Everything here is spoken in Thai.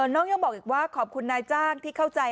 น้องยังบอกอีกว่าขอบคุณนายจ้างที่เข้าใจ